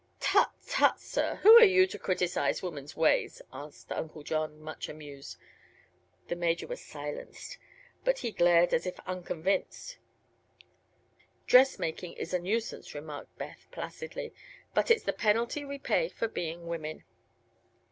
"Tut tut, sir; who are you to criticise woman's ways?" asked Uncle John, much amused. The Major was silenced, but he glared as if unconvinced. "Dressmaking is a nuisance," remarked Beth, placidly; "but it's the penalty we pay for being women."